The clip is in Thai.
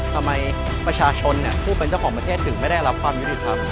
ประชาชนผู้เป็นเจ้าของประเทศถึงไม่ได้รับความยุติธรรม